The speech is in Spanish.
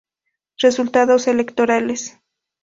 Resultados electorales